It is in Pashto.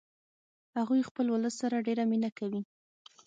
هغوی خپل ولس سره ډیره مینه کوي